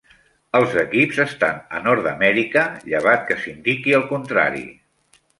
Els equips estan a Nord-Amèrica, llevat que s'indiqui el contrari.